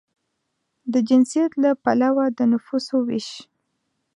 د جنسیت له پلوه د نفوسو وېش